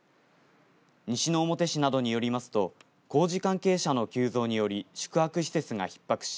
西之表市などによりますと工事関係者の急増により宿泊施設がひっ迫し